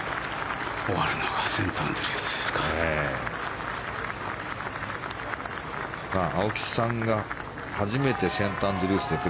終わるのがセントアンドリュースですか。